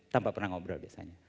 tanpa pernah ngobrol biasanya